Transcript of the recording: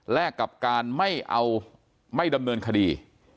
กับการไม่เอาไม่ดำเนินคดี